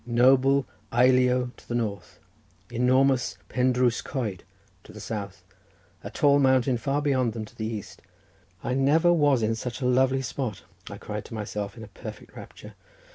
Noble Eilio to the north; enormous Pen Drws Coed to the south; a tall mountain far beyond them to the east. "I never was in such a lovely spot!" I cried to myself in a perfect rapture.